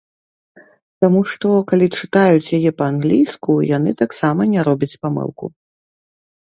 Таму што, калі чытаюць яе па-англійску, яны таксама не робяць памылку.